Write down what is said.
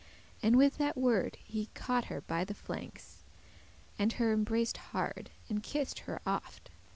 And with that word he caught her by the flanks, And her embraced hard, and kissed her oft.